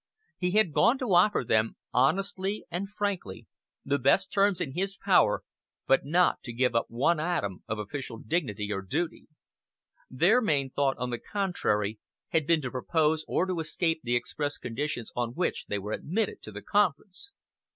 He had gone to offer them, honestly and frankly, the best terms in his power, but not to give up one atom of official dignity or duty. Their main thought, on the contrary, had been to postpone or to escape the express conditions on which they were admitted to the conference.